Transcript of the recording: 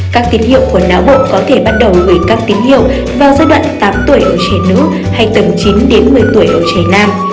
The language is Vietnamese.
các tín hiệu của não bộ có thể bắt đầu gửi các tín hiệu vào giai đoạn tám tuổi ở trẻ nước hay tầm chín đến một mươi tuổi ở trẻ nam